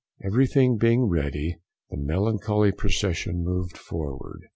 Everything being ready, the melancholy procession moved forward.